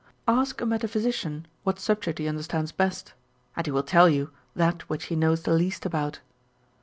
Ask a metaphysician what subject he understands best ; and he will tell you that which he knows the least about.